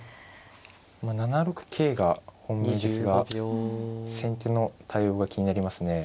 まあ７六桂が本命ですが先手の対応が気になりますね。